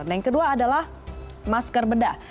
yang kedua adalah masker bedah